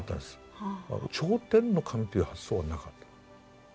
頂点の神という発想はなかった。